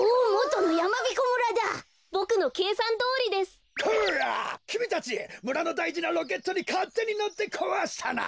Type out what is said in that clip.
むらのだいじなロケットにかってにのってこわしたな！